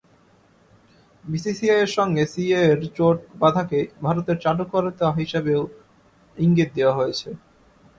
বিসিসিআইয়ের সঙ্গে সিএ-এর জোট বাঁধাকে ভারতের চাটুকারিতা হিসেবেও ইঙ্গিত দেওয়া হয়েছে।